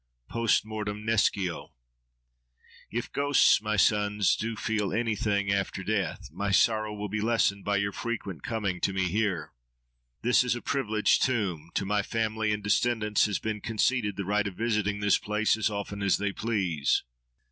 —post mortem nescio. "If ghosts, my sons, do feel anything after death, my sorrow will be lessened by your frequent coming to me here!" "This is a privileged tomb; to my family and descendants has been conceded the right of visiting this place as often as they please."